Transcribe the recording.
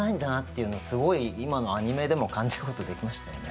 いうのすごい今のアニメでも感じることできましたよね。